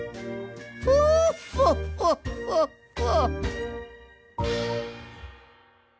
フォフォッフォッフォッフォ！